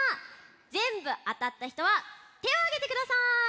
ぜんぶあたったひとはてをあげてください。